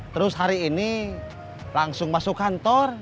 terus hari ini langsung masuk kantor